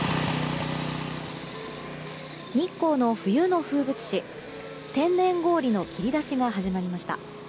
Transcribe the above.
日光の冬の風物詩天然氷の切り出しが始まりました。